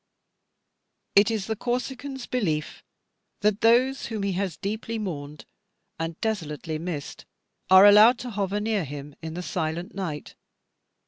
It is the Corsican's belief, that those whom he has deeply mourned, and desolately missed, are allowed to hover near him in the silent night.